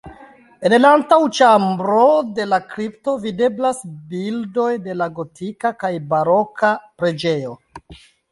En la antaŭĉambro de la kripto videblas bildoj de la gotika kaj baroka preĝejo.